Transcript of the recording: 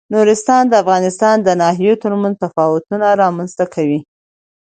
نورستان د افغانستان د ناحیو ترمنځ تفاوتونه رامنځ ته کوي.